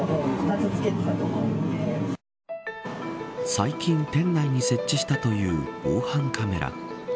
最近店内に設置したという防犯カメラ。